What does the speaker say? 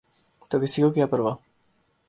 تو کسی کو کیا پروا؟